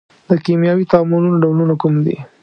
د کیمیاوي تعاملونو ډولونه کوم دي؟